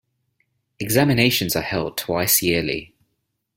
Examinations are held twice yearly.